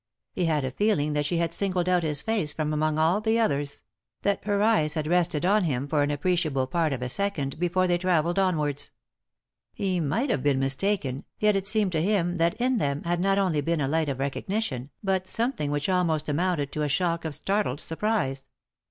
He had a feeling that she had singled out his nice from among all the others ; that her eyes had rested on him for an appreciable part of a second before they travelled 229 3i 9 iii^d by Google THE INTERRUPTED KISS onwards. He might have been mistaken, yet it seemed to him that in them had not only been a light of recognition, but something which almost amounted to a shock of startled surprise.